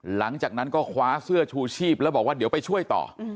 หลังจากนั้นก็คว้าเสื้อชูชีพแล้วบอกว่าเดี๋ยวไปช่วยต่อ